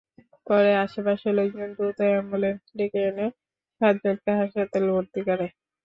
পরে আশপাশের লোকজন দ্রুত অ্যাম্বুলেন্স ডেকে এনে সাতজনকে হাসপাতালে ভর্তি করে।